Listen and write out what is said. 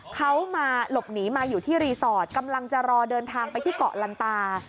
เขามาหลบหนีมาอยู่ที่รีสอร์ทกำลังจะรอเดินทางไปที่เกาะลันตา